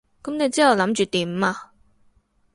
噉你之後諗住點啊？